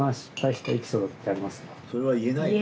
それは言えないよね。